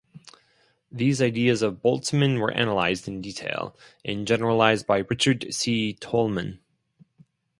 These ideas of Boltzmann were analyzed in detail and generalized by Richard C. Tolman.